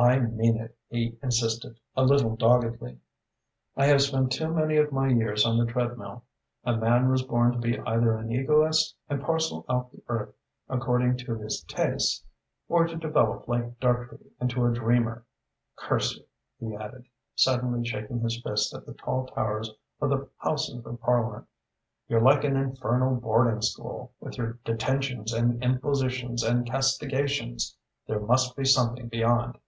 "I mean it," he insisted, a little doggedly. "I have spent too many of my years on the treadmill. A man was born to be either an egoist and parcel out the earth according to his tastes, or to develop like Dartrey into a dreamer. Curse you!" he added, suddenly shaking his fist at the tall towers of the Houses of Parliament. "You're like an infernal boarding school, with your detentions and impositions and castigations. There must be something beyond."